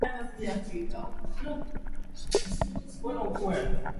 mbio za mita elfu moja mia tano na mshindi wa medali ya fedha